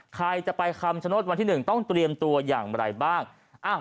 ใครจะไปคำชโนธวันที่๑ต้องเตรียมตัวอย่างไรบ้าง